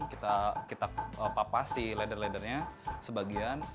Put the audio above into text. kita papasi leather leadernya sebagian